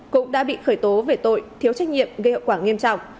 cũng đã bị khởi tố về tội thiếu trách nhiệm gây hậu quả nghiêm trọng